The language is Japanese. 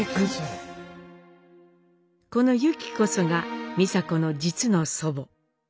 このユキこそが美佐子の実の祖母。